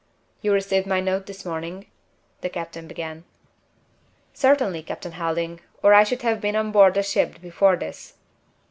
"You received my note this morning?" the captain began. "Certainly, Captain Helding, or I should have been on board the ship before this."